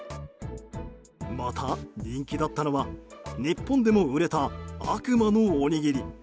また、人気だったのは日本でも売れた悪魔のおにぎり。